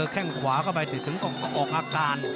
แข่งขวาก่อนไปถึงก็ออกอาการ